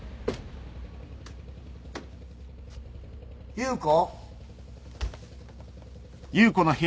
優子。